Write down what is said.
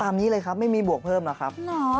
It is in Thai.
ตามนี้เลยครับไม่มีบวกเพิ่มล่ะครับ